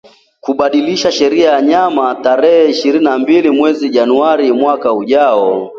kubadilisha sheria ya vyama tarehe ishirini na mbili mwezi Januari mwaka ujao